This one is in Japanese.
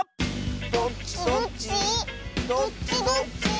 どっちどっちどっちどっち。